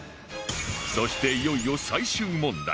そしていよいよ最終問題